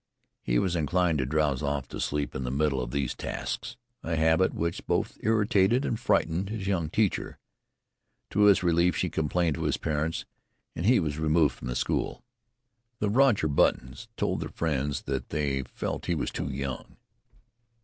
He was inclined to drowse off to sleep in the middle of these tasks, a habit which both irritated and frightened his young teacher. To his relief she complained to his parents, and he was removed from the school. The Roger Buttons told their friends that they felt he was too young.